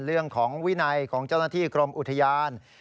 เรื่องของวินัยของเจ้าหน้าที่กรมอุทยาน